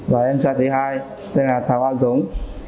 và anh trai thứ hai tên là thảo á giống